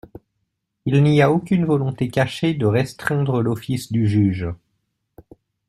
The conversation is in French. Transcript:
Il n’y a aucune volonté cachée de restreindre l’office du juge.